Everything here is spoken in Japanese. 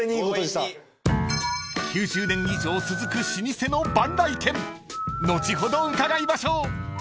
［９０年以上続く老舗の萬來軒後ほど伺いましょう］